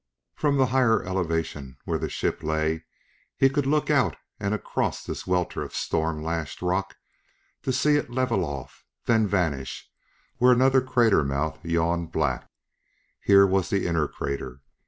From the higher elevation where their ship lay he could look out and across this welter of storm lashed rock to see it level off, then vanish where another crater mouth yawned black. Here was the inner crater!